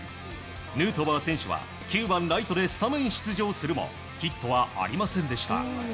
ヌートバー選手は９番ライトでスタメン出場するもヒットはありませんでした。